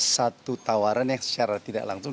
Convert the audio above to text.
satu tawaran yang secara tidak langsung